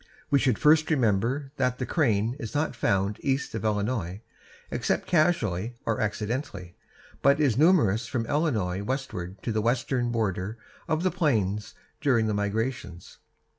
We should first remember that the crane is not found east of Illinois, except casually or accidentally, but is numerous from Illinois westward to the western border of the plains during the migrations.